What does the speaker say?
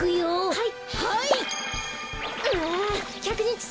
はい！